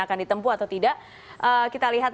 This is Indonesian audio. akan ditempuh atau tidak kita lihat